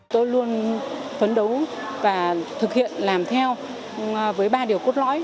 tôi luôn phấn đấu và thực hiện làm theo với ba điều cốt lõi